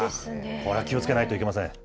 これは気をつけないといけま